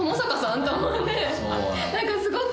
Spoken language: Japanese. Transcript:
何かすごく。